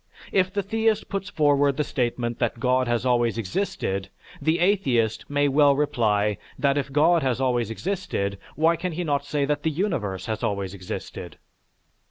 If the theist puts forward the statement that God has always existed, the atheist may well reply that if God has always existed, why can he not say that the universe has always existed?